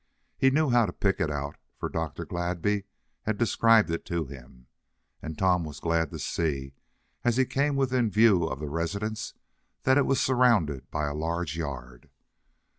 He knew how to pick it out, for Dr. Gladby had described it to him, and Tom was glad to see, as he came within view of the residence, that it was surrounded by a large yard.